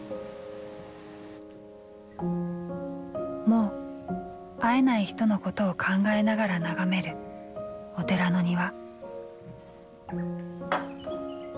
もう会えない人のことを考えながら眺めるお寺の庭。